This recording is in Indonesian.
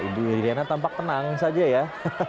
ibu iriana tampak tenang saja ya